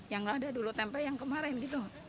yang nggak ada dulu tempe yang kemarin gitu